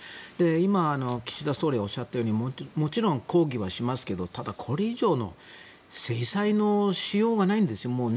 今、岸田総理がおっしゃったようにもちろん抗議はしますけどただ、これ以上の制裁のしようがないんですよ。